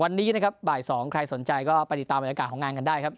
วันนี้นะครับบ่าย๒ใครสนใจก็ไปติดตามบรรยากาศของงานกันได้ครับ